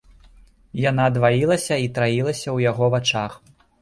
Яна дваілася і траілася ў яго вачах.